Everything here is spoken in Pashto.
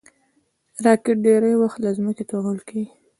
راکټ ډېری وخت له ځمکې توغول کېږي